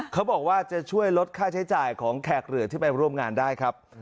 เขาบอกว่าจะช่วยลดค่าใช้จ่ายของแขกเรือที่ไปร่วมงานได้ครับ